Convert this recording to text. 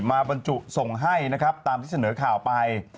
มาบรรจุส่งให้ตามที่เสนอข่าวไป